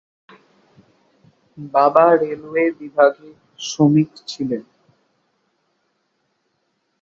বাবা রেলওয়ে বিভাগে শ্রমিক ছিলেন।